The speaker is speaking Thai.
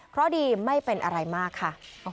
เพราะดีไม่เป็นอะไรมากค่ะ